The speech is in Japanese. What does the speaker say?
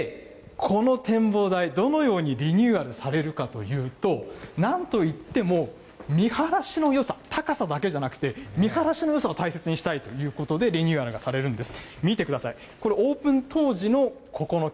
この展望台、どのようにリニューアルされるかというと、なんといっても見晴らしのよさ、高さだけじゃなくて、見晴らしのよさも大切にしたいということで、リニューアルがされるんです。